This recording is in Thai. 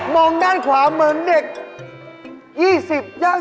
มองด้านขวาเหมือนเด็ก๒๐ย่าง